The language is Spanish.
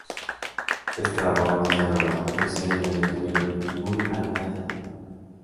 Estrabón, Cicerón y Eusebio le tuvieron en muy alta estima.